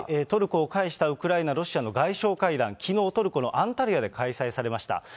トルコを介した、ウクライナ、ロシアの外相会談、きのう、トルコのアンタルヤで開催されました。